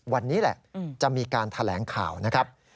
วันนี้แหละจะมีการแถลงข่าวนะครับ